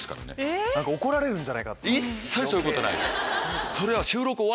一切そういうことはないです。